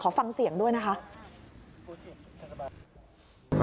ฟังเสียงด้วยนะคะ